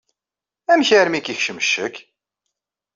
Amek armi i k-yekcem ccek?